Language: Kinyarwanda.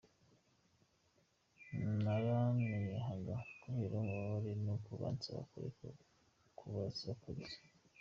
Naranihaga kubera ububabare nuko bansaba kureka kubasakuriza.